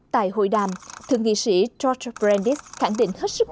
tại hội đàm thượng nghị sĩ george brandis khẳng định hết sức quan hệ